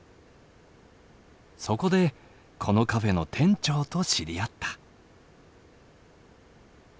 そこでこのカフェの店長と知り合った。